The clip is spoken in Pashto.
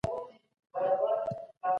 هغه د کالج په لابراتوار کي ناست دی.